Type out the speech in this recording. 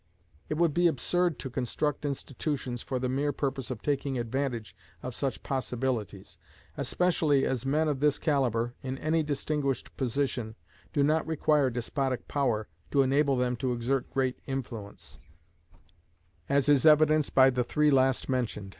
It would be absurd to construct institutions for the mere purpose of taking advantage of such possibilities, especially as men of this calibre, in any distinguished position, do not require despotic power to enable them to exert great influence, as is evidenced by the three last mentioned.